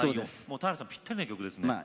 田原さんにぴったりな曲ですね。